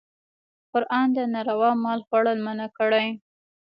قرآن د ناروا مال خوړل منع کړي.